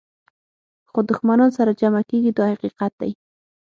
خو دښمنان سره جمع کېږي دا حقیقت دی.